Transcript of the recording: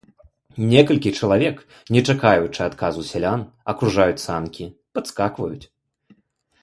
Некалькі чалавек, не чакаючы адказу сялян, акружаюць санкі, падскакваюць.